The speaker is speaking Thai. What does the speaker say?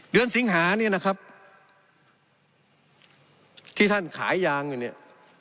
สิงหาเนี่ยนะครับที่ท่านขายยางอยู่เนี่ย